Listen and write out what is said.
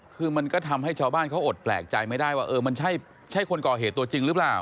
คือมันก็ทำให้ชาวบ้านเขาอดแปลกใจไม่ได้ว่าเออมันใช่คนก่อเหตุตัวจริงหรือเปล่า